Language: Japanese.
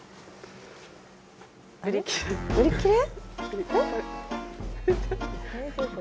売り切れ？